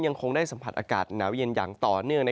ยังคงได้สัมผัสอากาศหนาวเย็นอย่างต่อเนื่อง